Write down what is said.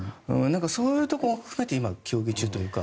そういうところを含めて協議中というか。